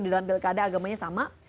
di dalam pilkada agamanya sama